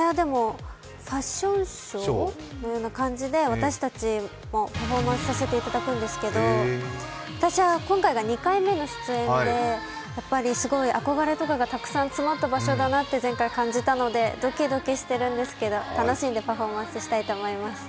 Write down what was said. ファッションショーの形で私たちもパフォーマンスさせていただくんですけど、私は２回目の出演で、すごい憧れとかがたくさん詰まった場所だなと前回感じたので、楽しんでパフォーマンスしたいと思います。